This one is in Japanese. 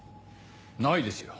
ないですよ。